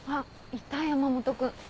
いた山本君。